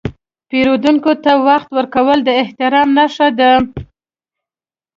پیرودونکي ته وخت ورکول د احترام نښه ده.